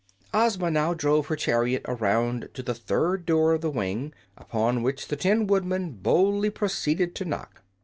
Ozma now drove her chariot around to the third door of the wing, upon which the Tin Woodman boldly proceeded to knock.